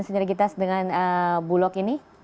senyir kita dengan bulog ini